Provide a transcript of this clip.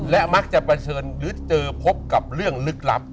และมักจะเผชิญหรือเจอพบกับเรื่องลึกลับ